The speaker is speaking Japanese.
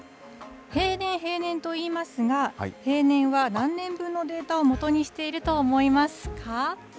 平年、平年といいますが、平年は何年分のデータを基にしていると思いますか？